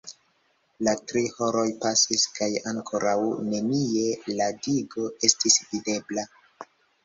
La tri horoj pasis kaj ankoraŭ nenie "la digo" estis videbla.